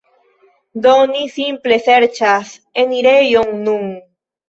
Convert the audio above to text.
Do ni simple serĉas enirejon nun.